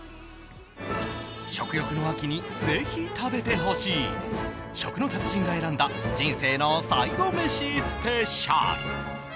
食欲の秋にぜひ食べてほしい食の達人が選んだ人生の最後メシスペシャル。